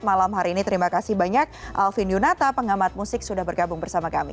malam hari ini terima kasih banyak alvin yunata pengamat musik sudah bergabung bersama kami